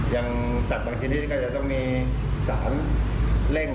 อย่างสัตว์บางชนิดก็จะต้องมีสารเร่ง